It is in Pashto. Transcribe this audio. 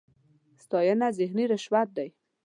ستاېنه ذهني رشوت دی.